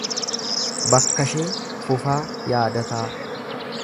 Bakkashee Fufaa Yaadataa